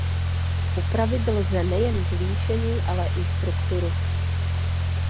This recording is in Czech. Upravit lze nejen zvýšení, ale i strukturu.